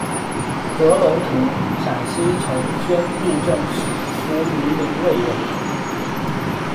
何龙图，陕西承宣布政使司榆林卫人。